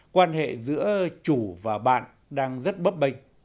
quan hệ giữa chủ và bạn đang rất bấp bênh